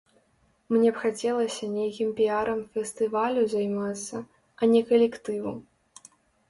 Мне б хацелася нейкім піярам фестывалю займацца, а не калектыву.